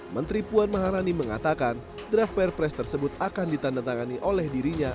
menteri puan maharani mengatakan draft perpres tersebut akan ditandatangani oleh dirinya